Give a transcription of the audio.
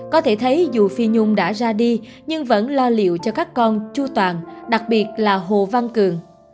có thể thấy dù phi nhung đã ra đi nhưng vẫn lo liệu cho các con chu toàn đặc biệt là hồ văn cường